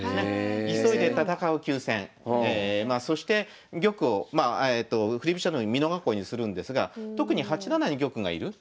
急いで戦う急戦そして玉を振り飛車のように美濃囲いにするんですが特に８七に玉がいる。